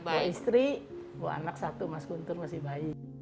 bawa istri bawa anak satu mas guntur masih bayi